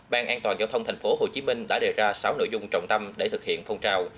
ban an toàn giao thông tp hcm đã đề ra sáu nội dung trọng tâm để thực hiện phong trào